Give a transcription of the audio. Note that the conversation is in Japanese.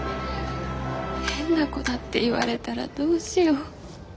変な子だって言われたらどうしよう。